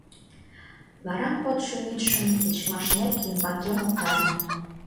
Вара кодшо вӱдшым тичмашнек ӱмбакем оптальым.